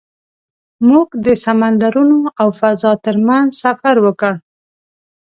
موږ د سمندرونو او فضا تر منځ سفر وکړ.